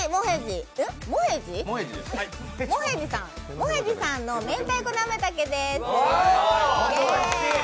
もへじさんの明太子なめ茸です。